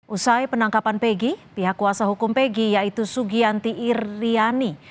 usai penangkapan pegi pihak kuasa hukum pegi yaitu sugianti iryani